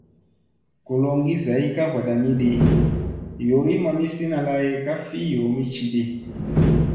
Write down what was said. Koloŋgi zay ka vadamidi, yoorii mamisina lay ka fi yoomi cidi.